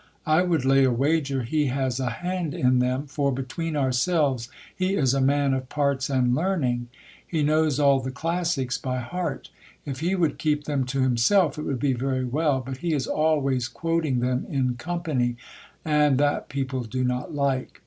I would lay a wager he has a hand in them, for between ourselves, he is a man of parts and learning. He knows all the classics by heart If he. would keep them to himself it would be very well, but he is always quoting them in com pany, and that people do not like.